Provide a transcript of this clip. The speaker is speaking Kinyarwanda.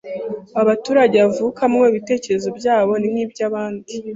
abaturage avukamo ibitekerezo byabo n’inkibyabandi